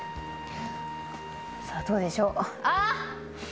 さあどうでしょう？